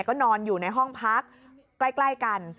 ก็นอนอยู่ในห้องพักใกล้กัน